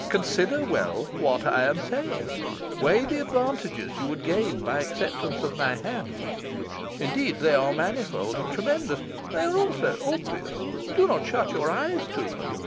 Consider well what I am saying. Weigh the advantages you would gain by acceptance of my hand. Indeed, they are manifold and tremendous. They are also obvious: do not shut your eyes to them.